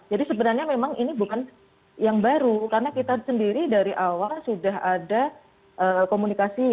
jadi sebenarnya memang ini bukan yang baru karena kita sendiri dari awal sudah ada komunikasi